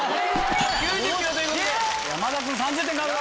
山田君３０点獲得！